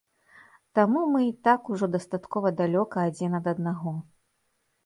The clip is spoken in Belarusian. Таму мы і так ужо дастаткова далёка адзін ад аднаго.